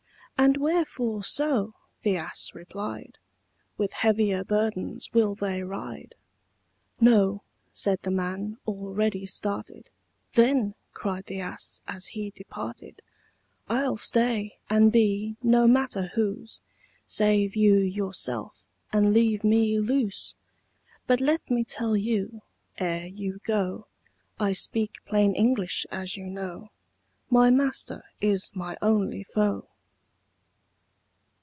"And wherefore so?" the ass replied; "With heavier burdens will they ride?" "No," said the man, already started. "Then," cried the ass, as he departed "I'll stay, and be no matter whose; Save you yourself, and leave me loose But let me tell you, ere you go, (I speak plain English, as you know,) My master is my only foe."